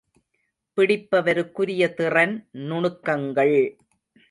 பிடிப்பவருக்குரிய திறன் நுணுக்கங்கள் ….